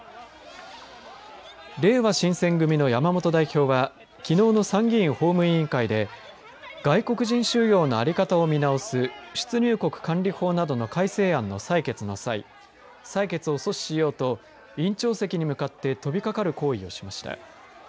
れいわ新選組の山本代表はきのうの参議院法務委員会で外国人収容の在り方を見直す出入国管理法などの改正案の採決の際採決を阻止しようと委員長席に向かって飛びかかる行為をしました。